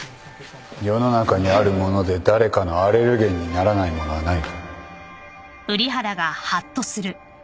世の中にあるもので誰かのアレルゲンにならないものはない